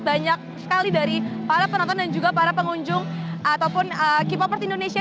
banyak sekali dari para penonton dan juga para pengunjung ataupun k popers indonesia